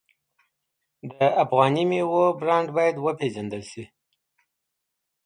د افغاني میوو برنډ باید وپیژندل شي.